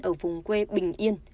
ở vùng quê bình yên